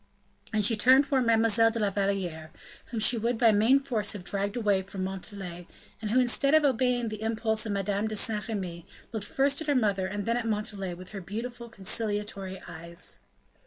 And she turned towards Mademoiselle de la Valliere, whom she would by main force have dragged away from Montalais, and who instead of obeying the impulse of Madame de Saint Remy, looked first at her mother and then at Montalais with her beautiful conciliatory eyes.